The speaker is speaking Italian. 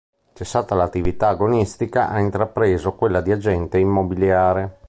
Cessata l'attività agonistica, ha intrapreso quella di agente immobiliare.